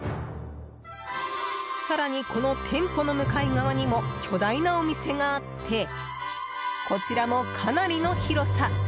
更に、この店舗の向かい側にも巨大なお店があってこちらもかなりの広さ。